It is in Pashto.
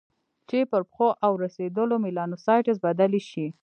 چې پر پخو او رسېدلو میلانوسایټس بدلې شي.